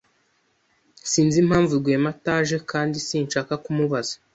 Sinzi impamvu Rwema ataje kandi sinshaka kumubaza.